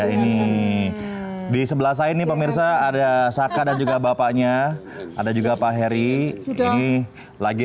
ini di sebelah saya ini pemirsa ada saka dan juga bapaknya ada juga pak heri ini lagi